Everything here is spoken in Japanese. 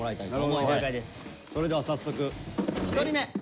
それでは早速１人目。